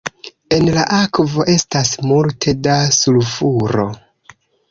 En la akvo estas multe da sulfuro.